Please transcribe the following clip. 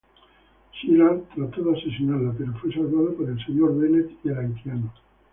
Sylar trató de asesinarla, pero fue salvada por el Señor Bennet y el Haitiano.